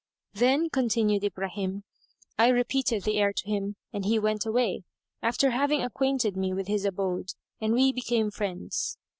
Then (continued Ibrahim) I repeated the air to him and he went away, after having acquainted me with his abode, and we became friends.